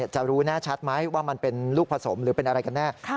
จะรู้แน่ชัดไหมว่ามันเป็นลูกผสมหรือเป็นอะไรกันแน่